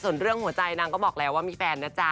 ส่วนเรื่องหัวใจนางก็บอกแล้วว่ามีแฟนนะจ๊ะ